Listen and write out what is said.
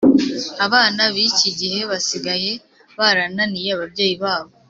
abana bicyi gihe basigaye barananiye ababyeyi babo